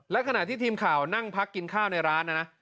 และขณะที่ทีมข่าวนั่งพักกินข้าวในร้านนะนะ